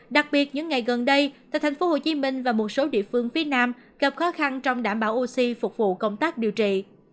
đặc biệt những ngày gần đây tại thành phố hồ chí minh và một số địa phương phía nam gặp khó khăn trong đảm bảo oxy phục vụ công tác điều trị